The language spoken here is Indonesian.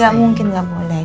gak mungkin gak boleh